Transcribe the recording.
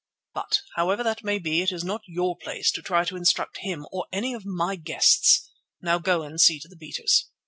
But, however that may be, it is not your place to try to instruct him or any of my guests. Now go and see to the beaters."